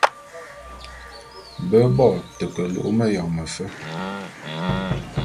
Be bo te ke alu'u meyone mefe.